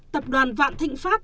tập đoàn vạn thịnh pháp